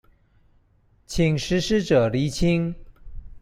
請實施者釐清